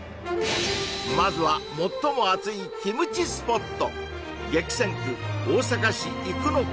まずは最も熱いキムチスポット